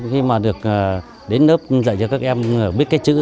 khi mà được đến lớp dạy cho các em biết cái chữ